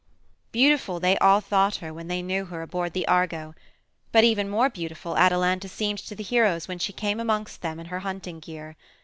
Beautiful they all thought her when they knew her aboard the Argo. But even more beautiful Atalanta seemed to the heroes when she came amongst them in her hunting gear.